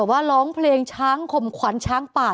ว่าร้องเพลงช้างข่มขวัญช้างป่า